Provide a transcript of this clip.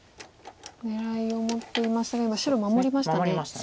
狙いを持っていましたが今白守りましたね。